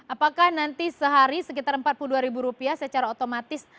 apakah nanti sehari sekitar rp empat puluh dua secara otomatis